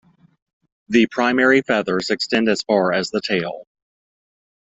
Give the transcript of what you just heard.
The primary feathers extend as far as the tail.